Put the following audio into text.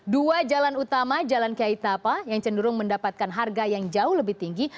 dua jalan utama jalan kiai tapa yang cenderung mendapatkan harga yang jauh lebih tinggi